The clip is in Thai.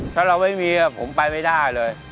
ถ้าเราไม่มีผมไปไม่ได้เลย